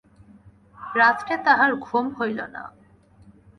রাত্রে তাঁহার ঘুম হইল না।